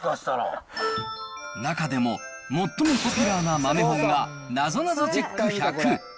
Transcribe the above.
中でも最もポピュラーな豆本が、なぞなぞチェック１００。